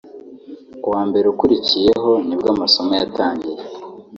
ku wa mbere ukurikiyeho nibwo amasomo yatangiye